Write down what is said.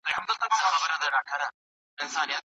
د عقل نشتوالي لامله د ليوني په حکم کي دی.